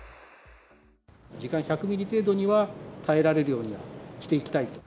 時間１００ミリ程度には耐えられるようにはしていきたいと。